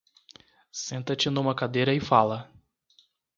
Senta-te numa cadeira e fala.